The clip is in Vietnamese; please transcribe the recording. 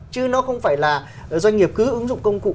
chứ nó không phải là doanh nghiệp cứ ứng dụng công cụ